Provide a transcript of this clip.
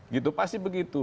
gitu pasti begitu